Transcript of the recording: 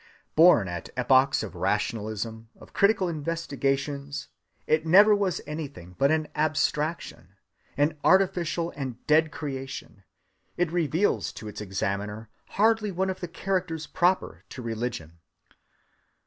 Born at epochs of rationalism, of critical investigations, it never was anything but an abstraction. An artificial and dead creation, it reveals to its examiner hardly one of the characters proper to religion."